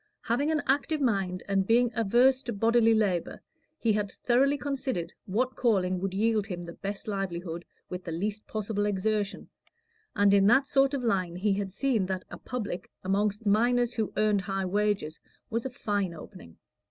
Having an active mind, and being averse to bodily labor, he had thoroughly considered what calling would yield him the best livelihood with the least possible exertion, and in that sort of line he had seen that a "public" amongst miners who earned high wages was a fine opening.